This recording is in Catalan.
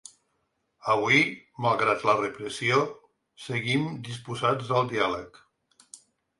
Avui, malgrat la repressió, seguim disposats al diàleg.